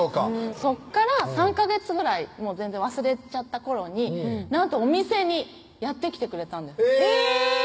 そこから３ヵ月ぐらい全然忘れちゃった頃になんとお店にやって来てくれたえぇ！